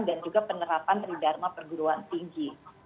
dan juga penerapan tridharma perguruan tinggi